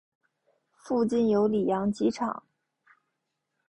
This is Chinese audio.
附近有里扬机场。